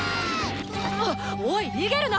あっおい逃げるな！